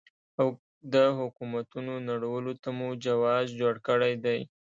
او د حکومتونو نړولو ته مو جواز جوړ کړی دی.